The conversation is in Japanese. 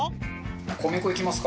米粉いきますか。